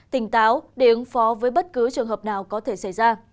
tỉnh táo để ứng phó với bất cứ trường hợp nào có thể xảy ra